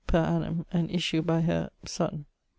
per annum, and issue by her, son.